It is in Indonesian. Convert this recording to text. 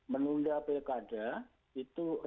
menunda pilkada itu rintangan